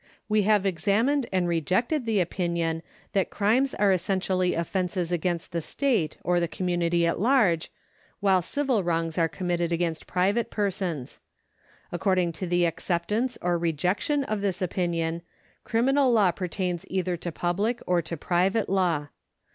Wo have examined and rejected the opinion that crimes are essentially offences against the state or the comnmnity at large, while civil wrongs are committed against private persons. According to the acceptance or rejection of this opinion, criminal law jjertains either to public or to private law.